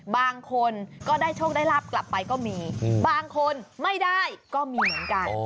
บางคนก็ได้โชคได้ลาบกลับไปก็มีบางคนไม่ได้ก็มีเหมือนกัน